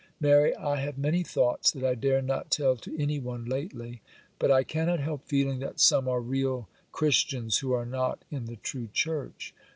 Mary, I have many thoughts that I dare not tell to any one, lately,—but I cannot help feeling that some are real Christians who are not in the true Church.